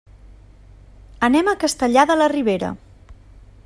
Anem a Castellar de la Ribera.